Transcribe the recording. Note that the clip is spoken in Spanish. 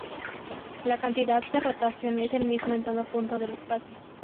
La "cantidad" de rotación es el mismo en todo punto del espacio.